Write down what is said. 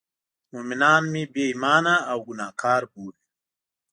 مومنان مې بې ایمانه او ګناه کار بولي.